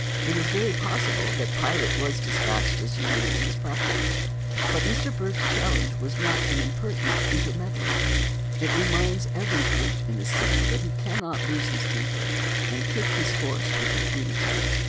It is very possible that Pilot was despatched as humanely as practicable. But Mr. Bergh's challenge was not an impertinent intermeddling. It reminds every brute in the city that he cannot lose his temper and kick his horse with impunity.